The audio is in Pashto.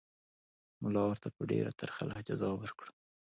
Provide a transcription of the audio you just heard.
ملا ورته په ډېره ترخه لهجه ځواب ورکړ.